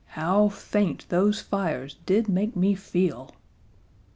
How faint those fires did make me feel!"